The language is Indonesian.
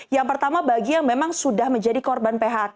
yang pertama bagi yang memang sudah menjadi korban phk